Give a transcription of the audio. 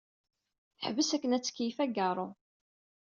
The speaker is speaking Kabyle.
Teḥbes akken ad tkeyyef ageṛṛu.